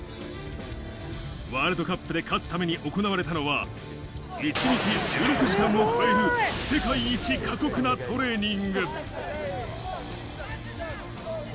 ワールドカップで勝つために行われたのは、１日１６時間を超える世界一過酷なトレーニング。